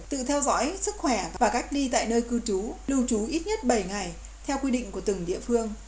tự theo dõi sức khỏe và cách ly tại nơi cư trú lưu trú ít nhất bảy ngày theo quy định của từng địa phương